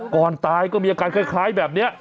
ก่อนตายก็มีอาการคล้ายแบบนี้